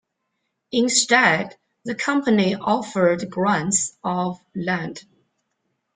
Instead, the Company offered grants of land.